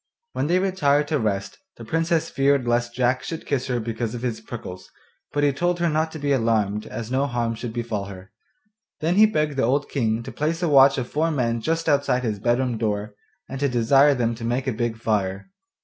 When they retired to rest the Princess feared lest Jack should kiss her because of his prickles, but he told her not to be alarmed as no harm should befall her. Then he begged the old King to place a watch of four men just outside his bedroom door, and to desire them to make a big fire.